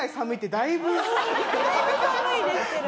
だいぶ寒いですけどね。